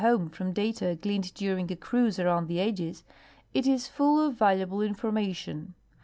homefrom data gleaned during a cruise around the edges, it is full of valuable information.